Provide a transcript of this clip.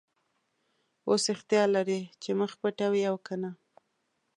اوس اختیار لرې چې مخ پټوې او که نه.